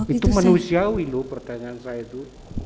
itu manusiawi loh pertanyaan saya itu